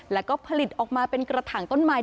แล้วก็ผลิตออกมาเป็นกระถางต้นไม้